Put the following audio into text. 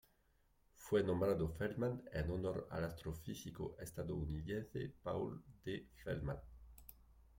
Fue nombrado Feldman en honor al astrofísico estadounidense Paul D. Feldman.